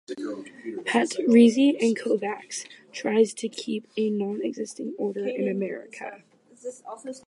Patrizi and Kovacs tries to keep a non existing order in america.